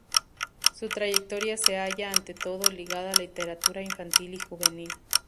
Su trayectoria se halla ante todo ligada a la literatura infantil y juvenil.